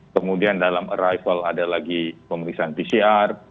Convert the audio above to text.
kemudian dalam arrival ada lagi pemeriksaan pcr